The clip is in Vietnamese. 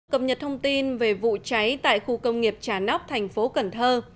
cập nhật thông tin về vụ cháy tại khu công nghiệp trà nóc thành phố cần thơ